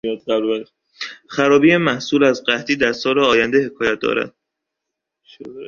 خرابی محصول از قحطی در سال آینده حکایت دارد.